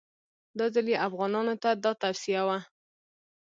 دا ځل یې افغانانو ته دا توصیه وه.